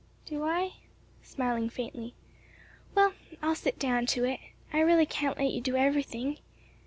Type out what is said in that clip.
"Do I?" smiling faintly, "well, I'll sit down to it. I really can't let you do everything.